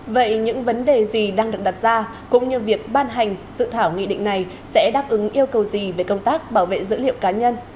vậy những vấn đề gì đang được đặt ra cũng như việc ban hành sự thảo nghị định này sẽ đáp ứng yêu cầu gì về công tác bảo vệ dữ liệu cá nhân